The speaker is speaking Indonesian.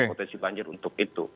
potensi banjir untuk itu